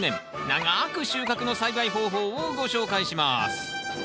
長く収穫！」の栽培方法をご紹介します。